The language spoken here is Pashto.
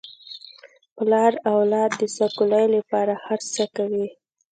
پلار د اولاد د سوکالۍ لپاره هر څه کوي.